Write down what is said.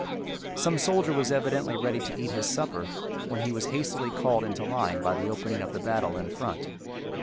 Some soldier was evidently ready to eat his supper, when he was hastily called into line by the opening of the battle in front.